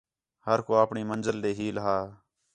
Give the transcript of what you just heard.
ہر کُو آپݨی منزل ݙے ہیل ہا